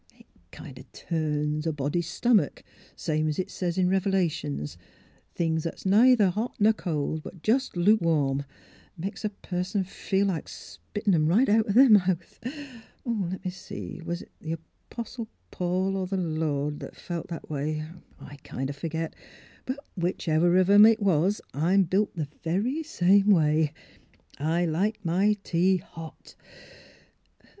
It kind o' turns a body's stomick, same 's it says in Rev'lations: things that's neither hot ner cold, but jest lukewarm, makes a puss'n feel like spittin' 'em right out their mouth. Le' me see, was it th' 'Postle Paul, er the Lord that felt that a way? I kind o' ferget. But 14 THE HEAET OF PHILURA wMchever of 'em it was, I'm built the very same way. I like my tea hot!